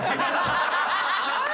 ハハハハ！